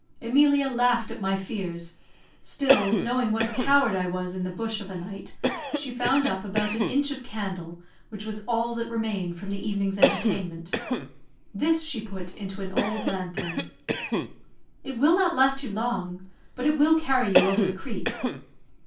Emilia laughed at my fears; still, knowing what a coward I was in the bush of a night, she found up about an inch of candle, which was all that remained from the evening's entertainment. This she put into an old lanthorn. "It will not last you long; but it will carry you over the creek."